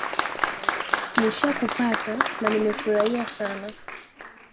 Nishakupata na nimefurahia sana